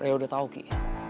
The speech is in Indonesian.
raya udah tau kik